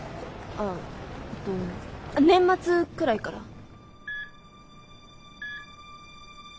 ああえっと年末くらいから。